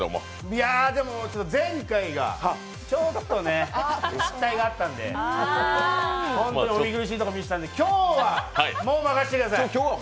いやでも、前回がちょっと失態があったので、お見苦しいところ見せたんで今日は任せてください。